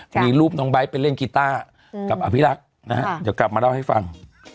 มีรูปน้องไบท์ไปเล่นกีต้ากับอภิรักษ์นะฮะเดี๋ยวกลับมาเล่าให้ฟัง